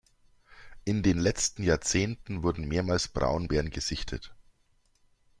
In den letzten Jahrzehnten wurden mehrmals Braunbären gesichtet.